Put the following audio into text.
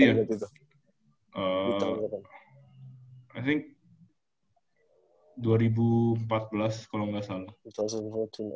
saya pikir dua ribu empat belas kalau enggak salah